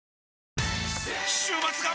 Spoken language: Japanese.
週末が！！